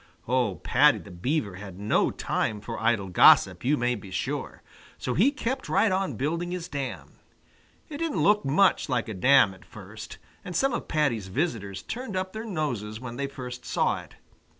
Oh, Paddy the Beaver had no time for idle gossip, you may be sure! So he kept right on building his dam. It didn't look much like a dam at first, and some of Paddy's visitors turned up their noses when they first saw it.